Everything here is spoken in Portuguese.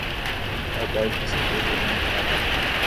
Um cowboy que executa em uma parada.